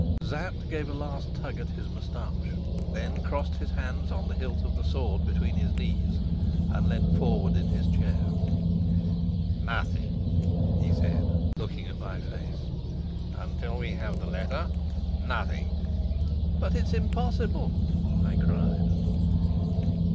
Sapt gave a last tug at his moustache, then crossed his hands on the hilt of the sword between his knees, and leant forward in his chair. "Nothing, he said," looking at my face. "Until we have the letter, nothing." "But it's impossible!" I cried.